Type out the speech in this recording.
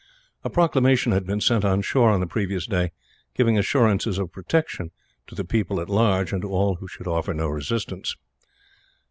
A proclamation had been sent on shore, on the previous day, giving assurances of protection to the people at large, and to all who should offer no resistance.